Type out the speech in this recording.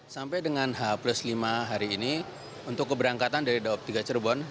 sampai dengan h lima hari ini untuk keberangkatan dari daob tiga cirebon